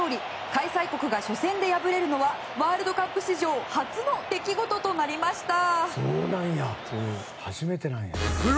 開催国が初戦で敗れるのはワールドカップ史上初の出来事となりました。